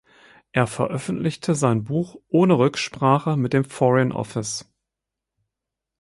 Er veröffentlichte sein Buch ohne Rücksprache mit dem "Foreign Office".